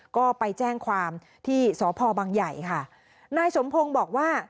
ก็ไปแจ้งความที่สพภัยบางไถ่นายสมพงบอกว่า